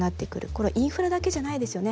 これはインフラだけじゃないですよね。